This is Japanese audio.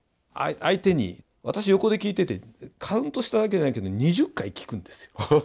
相手に私横で聞いててカウントしたわけじゃないけど２０回聞くんですよ。